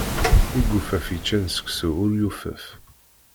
Igufaf yeččan seksu ur yufaf.